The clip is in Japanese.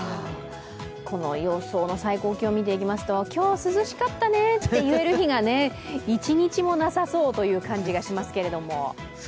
予想の最高気温を見ていきますと、今日は涼しかったね」と言える日が一日もなさそうな感じがしますが。